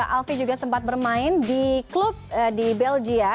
alvi juga sempat bermain di klub di belgia